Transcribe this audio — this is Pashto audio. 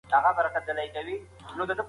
رحیم پاڼې ته وویل چې خپله ژبه لنډه کړي.